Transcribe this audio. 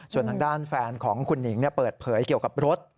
ส่วนทางด้านแฟนของคุณหนิงเปิดเผยเกี่ยวกับรถ